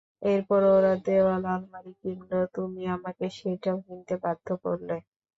এরপর ওরা দেয়াল আলমারি কিনল, তুমি আমাকে সেটাও কিনতে বাধ্য করলে।